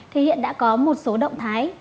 thì hiện đã có một số động thái